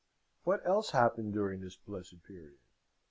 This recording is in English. What else happened during this blessed period?